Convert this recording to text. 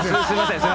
すみません。